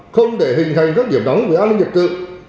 không để hình thành các điểm đóng về an ninh dân tự